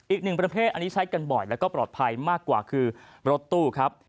อีกหนึ่งประเภทอันนี้ใช้กันบ่อยแล้วก็ปลอดภัยมากกว่าคือรถตู้ครับ